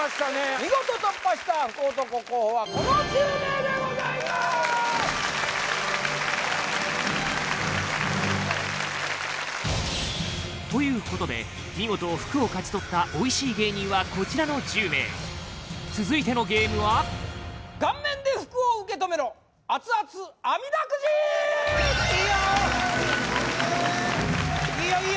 見事突破した福男候補はこの１０名でございますということで見事福を勝ち取ったオイシイ芸人はこちらの１０名続いてのゲームは顔面で福を受け止めろ熱々あみだくじいいよいいよ